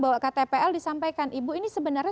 bawa ktpl disampaikan ibu ini sebenarnya